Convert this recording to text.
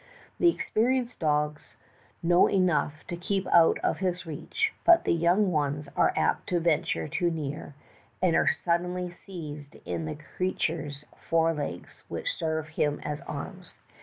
The experienced dogs know enough to keep out of his reach, but the young ones are apt to venture too near, and are suddenly seized in the creature's fore legs, which serve him as arms.